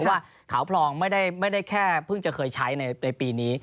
ว่าขาวพลองไม่ได้แค่เพิ่งจะเคยใช้ในปีนี้